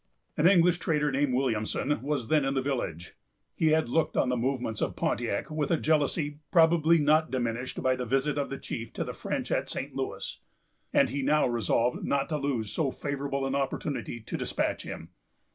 An English trader, named Williamson, was then in the village. He had looked on the movements of Pontiac with a jealousy probably not diminished by the visit of the chief to the French at St. Louis; and he now resolved not to lose so favorable an opportunity to despatch him.